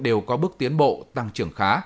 đều có bước tiến bộ tăng trưởng khá